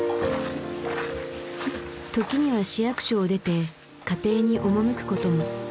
時には市役所を出て家庭に赴くことも。